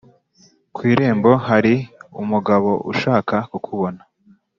ku irembo hari umugabo ushaka kukubona.